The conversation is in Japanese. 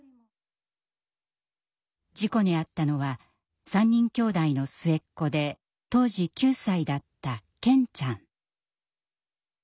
事故に遭ったのは３人きょうだいの末っ子で当時９歳だった健ちゃん。